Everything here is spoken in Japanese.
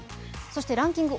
そしてランキング